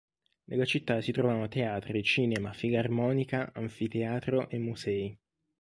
Nella città si trovano teatri, cinema, filarmonica, anfiteatro e musei.